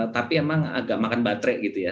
tapi emang agak makan baterai gitu ya